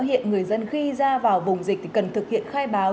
hiện người dân khi ra vào vùng dịch thì cần thực hiện khai báo